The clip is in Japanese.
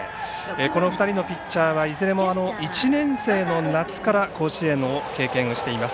この２人のピッチャーはいずれも１年生の夏から甲子園を経験しています。